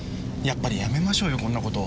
やっぱりやめましょうよこんなこと。